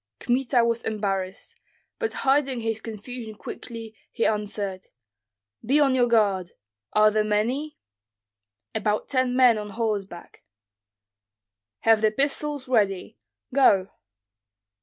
Kmita was embarrassed, but hiding his confusion quickly, he answered, "Be on your guard. Are there many?" "About ten men on horseback." "Have the pistols ready. Go!"